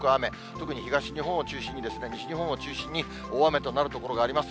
特に東日本を中心に、西日本を中心に、大雨となる所があります。